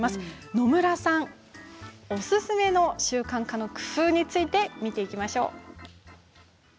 野村さんおすすめの習慣化の工夫について見ていきましょう。